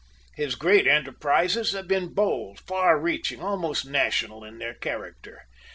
His great enterprises have been bold, far reaching, almost national in their character.